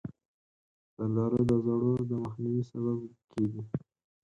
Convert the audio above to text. زردالو د زړو د مخنیوي سبب کېږي.